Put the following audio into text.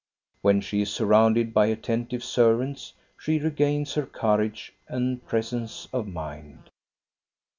When she is surrounded by attentive servants, she regains her courage and presence of mind.